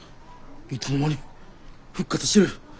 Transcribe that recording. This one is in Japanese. いつの間に復活してる！